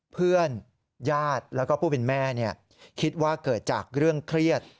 เพื่อนญาติแล้วก็ผู้เป็นแม่คิดว่าเกิดจากเรื่องเครียด